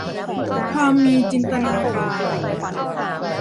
ความมีจินตนาการ